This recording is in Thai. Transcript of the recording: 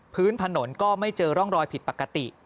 พื้นถนนก็ไม่เจอร่องรอยผิดปกติ